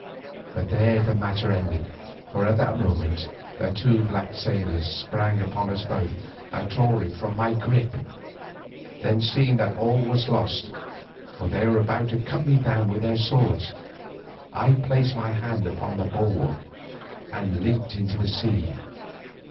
But there the matter ended, for at that moment the two black sailors sprang upon us both, and tore him from my grip. Then seeing that all was lost, for they were about to cut me down with their swords, I placed my hand upon the bulwark and leaped into the sea.